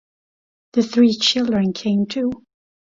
The three children came too.